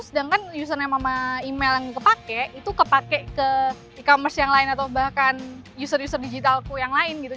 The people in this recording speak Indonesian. sedangkan user yang sama email yang kupake itu kepake ke e commerce yang lain atau bahkan user user digitalku yang lain gitu